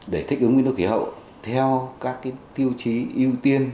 để thích ứng biến đổi khí hậu theo các tiêu chí ưu tiên các lĩnh vực cần thích ứng